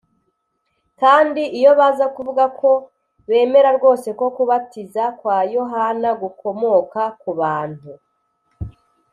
kandi iyo baza kuvuga ko bemera rwose ko kubatiza kwa yohana gukomoka ku bantu